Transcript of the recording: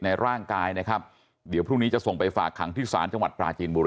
เพราะตรวจสอบแล้ว